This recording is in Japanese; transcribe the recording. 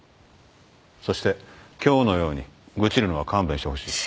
そして今日のように愚痴るのは勘弁してほしい。